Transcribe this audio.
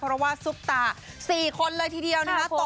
เพราะว่าซุปตา๔คนเลยทีเดียวนะคะ